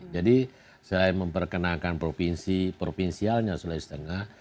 jadi saya memperkenalkan provinsi provinsialnya sulawesi tengah